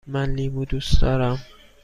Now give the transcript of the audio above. من لیمو دوست دارم.